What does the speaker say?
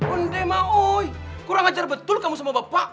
undeh mauy kurang ajar betul kamu sama bapak